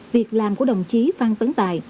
việc làm của đồng chí phan tấn tài